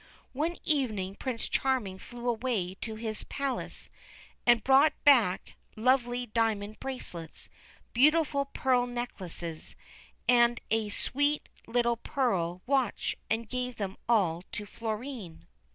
One evening Prince Charming flew away to his palace, and brought back lovely diamond bracelets, beautiful pearl necklaces and a sweet little pearl watch, and gave them all to Florine.